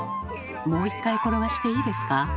もう一回転がしていいですか？